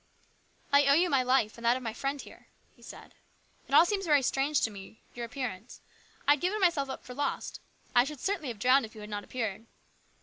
" I owe you my life, and that of my friend here," he said. "It all seems very strange to me, your appearance. I had given myself up for lost. I should certainly have drowned if you had not appeared."